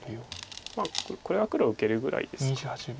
これは黒受けるぐらいですか。